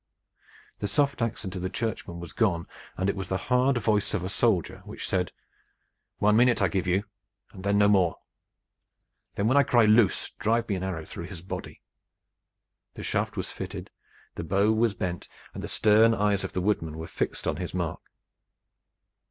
The soft accent of the churchman was gone and it was the hard voice of a soldier which said "One minute I give you, and no more. Then when I cry 'Loose!' drive me an arrow through his body." The shaft was fitted, the bow was bent, and the stern eyes of the woodman were fixed on his mark.